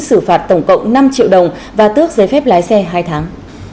xử phạt tổng cộng năm triệu đồng và tước giấy phép lái xe hai tháng